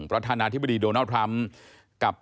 ประธานาธิบดีโดนัลดทรัมป์กับ